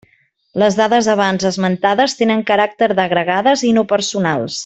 Les dades abans esmentades tenen caràcter d'agregades i no personals.